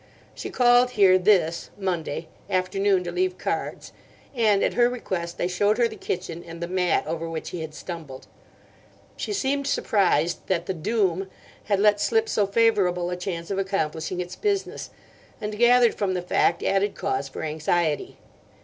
She called here this (Monday) afternoon to leave cards; and, at her request, I showed her the kitchen and the mat over which he had stumbled. She seemed surprised that the 'Doom' had let slip so favourable a chance of accomplishing its business, and gathered from the fact added cause for anxiety.